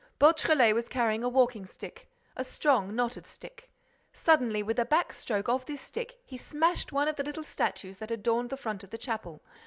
Beautrelet was carrying a walking stick, a strong, knotted stick. Suddenly, with a back stroke of this stick, he smashed one of the little statues that adorned the front of the chapel.